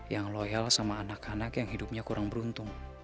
yang loyal sama anak anak yang hidupnya kurang beruntung